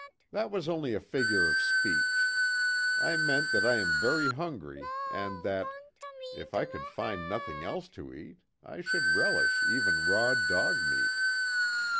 That was only a figure of speech. I meant that I am very hungry, and that, if I could find nothing else to eat I should relish even raw dog meat."